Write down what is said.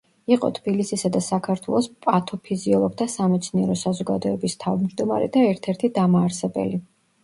იყო თბილისისა და საქართველოს პათოფიზიოლოგთა სამეცნიერო საზოგადოების თავმჯდომარე და ერთ–ერთი დამაარსებელი.